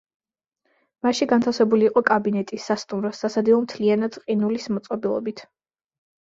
მასში განთავსებული იყო კაბინეტი, სასტუმრო, სასადილო მთლიანად ყინულის მოწყობილობით.